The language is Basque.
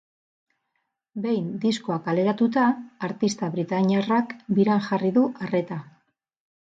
Behin diskoa kaleratuta, artista britainiarrak biran jarri du arreta.